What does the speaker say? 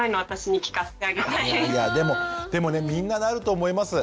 でもでもねみんななると思います。